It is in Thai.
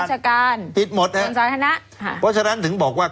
ชนส่วนธนเนื้อทุนราชนราชน์เพราะฉะนั้นถึงบอกว่า